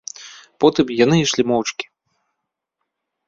Потым яны ішлі моўчкі.